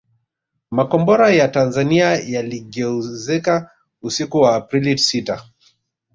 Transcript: Makombora ya Tanzania yaliongezeka usiku wa Aprili sita